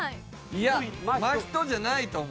いや真人じゃないと思うな。